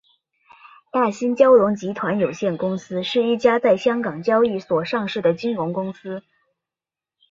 大新金融集团有限公司是一家在香港交易所上市的金融公司。